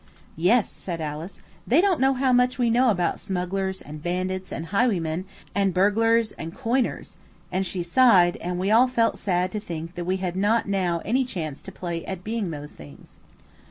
"Yes," said Alice; "they don't know how much we know about smugglers, and bandits, and highwaymen, and burglars, and coiners," and she sighed, and we all felt sad to think that we had not now any chance to play at being these things.